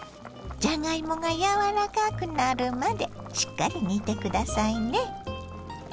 じゃがいもが柔らかくなるまでしっかり煮て下さいね。